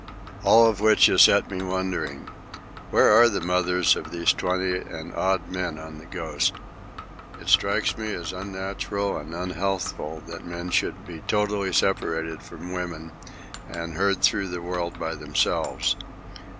All of which has set me wondering. Where are the mothers of these twenty and odd men on the Ghost? It strikes me as unnatural and unhealthful that men should be totally separated from women and herd through the world by themselves.